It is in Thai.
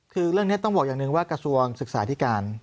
คือเรื่องนี้ต้องบอกอย่างหนึ่งว่ากระทรวงศึกษาที่การ